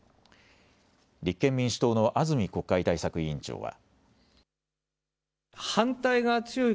立憲民主党の安住国会対策委員長は。